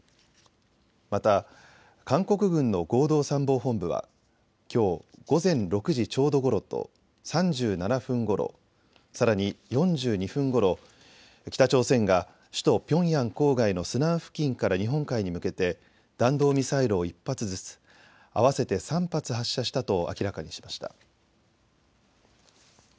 また、韓国軍の合同参謀本部はきょう午前６時ちょうどごろと３７分ごろ、さらに４２分ごろ、北朝鮮が首都ピョンヤン郊外のスナン付近から日本海に向けて弾道ミサイルを１発ずつ合わせて３発発射したと明らかにしました。